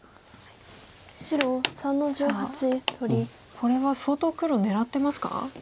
これは相当黒狙ってますか？